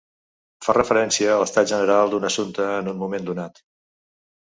Fa referència a l'estat general d'un assumpte en un moment donat.